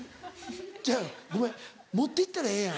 ちゃうやろごめん持って行ったらええやん。